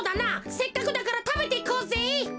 せっかくだからたべていこうぜ。